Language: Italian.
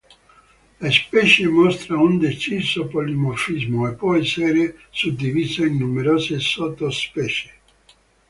La specie mostra un deciso polimorfismo e può essere suddivisa in numerose sottospecie.